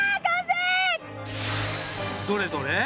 どれどれ